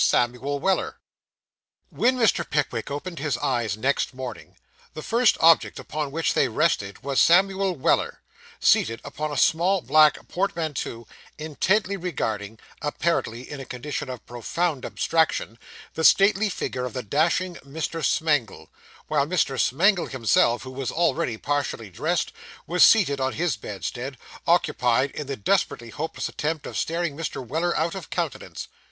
SAMUEL WELLER When Mr. Pickwick opened his eyes next morning, the first object upon which they rested was Samuel Weller, seated upon a small black portmanteau, intently regarding, apparently in a condition of profound abstraction, the stately figure of the dashing Mr. Smangle; while Mr. Smangle himself, who was already partially dressed, was seated on his bedstead, occupied in the desperately hopeless attempt of staring Mr. Weller out of countenance.